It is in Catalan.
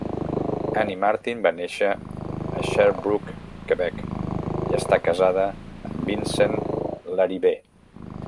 Annie Martin va néixer a Sherbrooke, Quebec, i està casada amb Vincent Larivee.